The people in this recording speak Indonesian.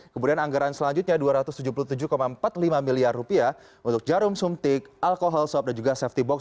kemudian anggaran selanjutnya rp dua ratus tujuh puluh tujuh empat puluh lima miliar untuk jarum suntik alkohol sop dan juga safety box